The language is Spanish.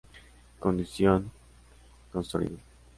Condición: Construido.